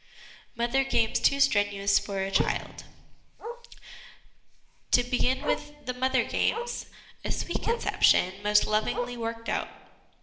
Mother games too strenuous for a Child. To begin with the ' Mother games/ a sweet conception, most lovingly worked out.